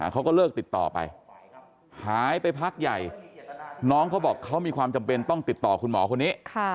เขาก็เลิกติดต่อไปหายไปพักใหญ่น้องเขาบอกเขามีความจำเป็นต้องติดต่อคุณหมอคนนี้